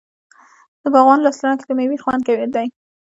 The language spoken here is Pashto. د باغوان لاس تڼاکې د میوې خوند دی.